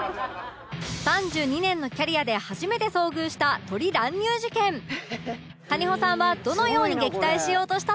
３２年のキャリアで初めて遭遇した鳥乱入事件谷保さんはどのように撃退しようとしたのか？